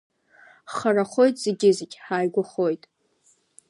Ҳхарахоит зегьы-зегь, ҳааигәахоит.